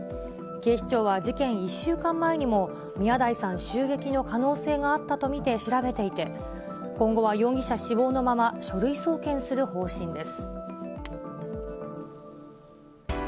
警視庁は、事件１週間前にも、宮台さん襲撃の可能性があったと見て調べていて、今後は容疑者死亡のまま、書類送検する方針です。